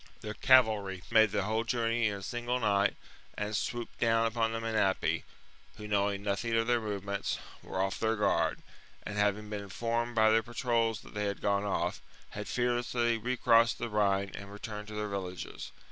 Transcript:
Their cavalry 55 b.c. made the whole journey in a single night, and swooped down upon the Menapii, who, knowing nothing of their movements, were off their guard, and, having been informed by their patrols that they had gone off, had fearlessly recrossed the Rhine and returned to their villages.